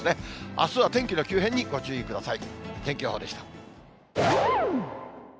あすは天気の急変にご注意ください。